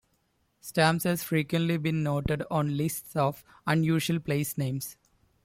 Stamps has frequently been noted on lists of unusual place names.